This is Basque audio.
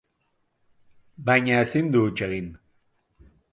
Baina ezin du huts egin.